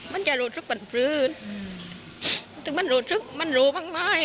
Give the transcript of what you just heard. มันจะโรดทุกข์ปันพลื้นมันโรดทุกข์มันโรมากมาย